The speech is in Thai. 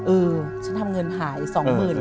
เออฉันทำเงินหายสองหมื่น